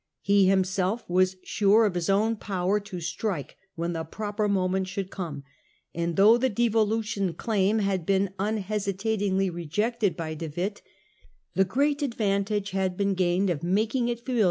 He himself was sure of his own power to strike when the proper moment should come ; and though the devolution claim had been unhesitatingly rejected by De Witt, the great advantage had been gained of making it familiar to men's minds.